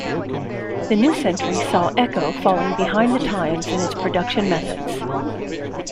The new century saw the "Echo" falling behind the times in its production methods.